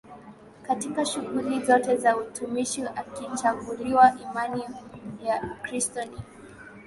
katika shughuli zote za utumishi akichaguliwa Imani ya Ukristo ni